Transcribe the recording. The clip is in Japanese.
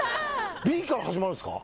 「ビ」から始まるんすか？